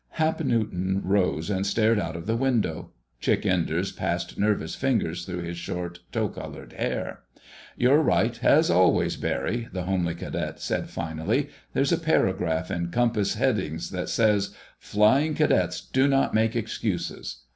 Hap Newton rose and stared out of the window. Chick Enders passed nervous fingers through his short, tow colored hair. "You're right as always, Barry," the homely cadet said finally. "There's a paragraph in 'Compass Headings' that says: '_Flying Cadets do not make excuses.